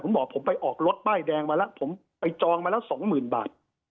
ผมบอกผมไปออกรถป้ายแดงมาแล้วผมไปจองมาแล้วสองหมื่นบาท